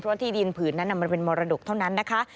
เพราะที่ดินผืนนั้นมันเป็นมรดกเท่านั้นนะคะ